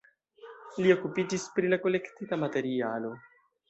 Li okupiĝis pri la kolektita materialo.